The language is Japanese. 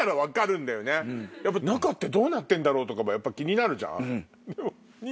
中ってどうなってんだろうとかもやっぱ気になるじゃん？